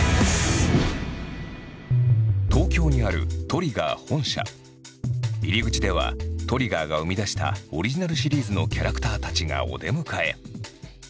東京にある入り口ではＴＲＩＧＧＥＲが生み出したオリジナルシリーズのキャラクターたちがお出迎え。